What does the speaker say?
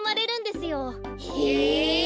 へえ。